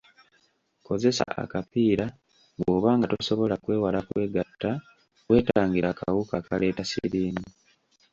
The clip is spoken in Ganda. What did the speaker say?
Kozesa akapiira bw'oba nga tosobola kwewala kwegatta weetangire akawuka akaleeta siriimu.